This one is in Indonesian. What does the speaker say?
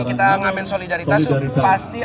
kita ngamen solidaritas itu pasti